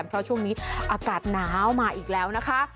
เพราะช่วงนี้อากาศหนาวมาอีกแล้วนะคะ